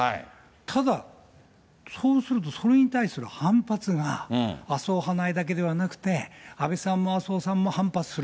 ただ、そうするとそれに対する反発が麻生派内だけではなくて、安倍さんも麻生さんも反発する。